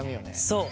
そう。